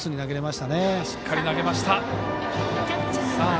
しっかり投げました。